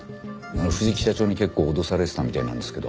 藤木社長に結構脅されてたみたいなんですけど。